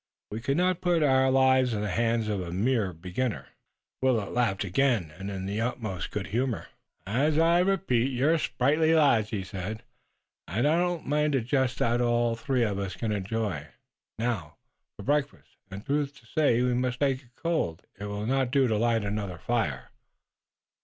We could not put our lives in the hands of a mere beginner." Willet laughed again, and in the utmost good humor. "As I repeat, you're sprightly lads," he said, "and I don't mind a jest that all three of us can enjoy. Now, for breakfast, and, truth to say, we must take it cold. It will not do to light another fire."